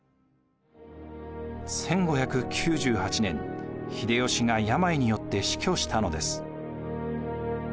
１５９８年秀吉が病によって死去したのです。